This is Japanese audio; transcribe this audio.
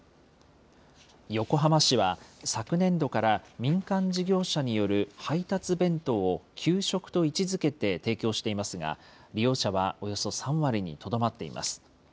横浜市は、昨年度から民間事業者による配達弁当を給食と位置づけて提供していますが、利用者はおよそ３割にとどまっています。